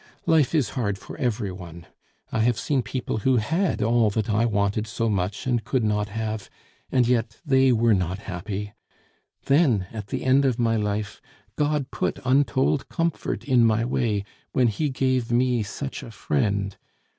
Life is hard for every one; I have seen people who had all that I wanted so much and could not have, and yet they were not happy.... Then at the end of my life, God put untold comfort in my way, when He gave me such a friend....